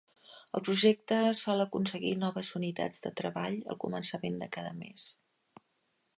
El projecte sol aconseguir noves unitats de treball al començament de cada mes.